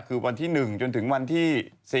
คือวันที่๑จนถึงวันที่๔